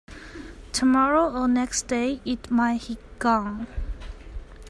Tomorrow or next day it might he gone.